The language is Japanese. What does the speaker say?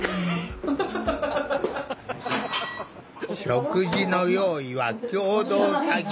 食事の用意は共同作業。